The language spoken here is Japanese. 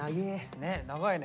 ね長いね。